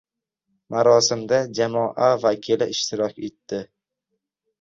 Marosimda jamoa vakili ishtirok etdi.